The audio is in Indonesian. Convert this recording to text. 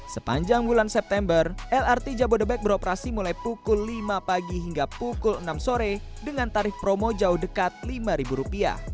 sepanjang bulan september lrt jabodebek beroperasi mulai pukul lima pagi hingga pukul enam sore dengan tarif promo jauh dekat rp lima